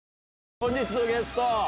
本日のゲスト。